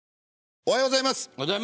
おはようございます。